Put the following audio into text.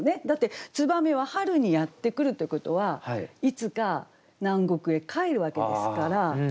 だって燕は春にやって来るということはいつか南国へ帰るわけですから。